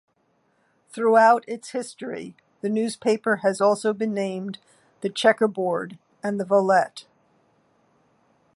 Throughout its history, the newspaper has also been named The Checkerboard and The Volette.